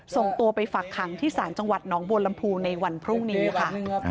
ส่งตัวไปฝักขังที่ศาลจังหวัดหนองบัวลำพูในวันพรุ่งนี้ค่ะ